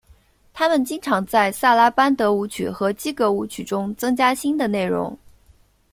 他们经常在萨拉班德舞曲和基格舞曲中增加新的内容。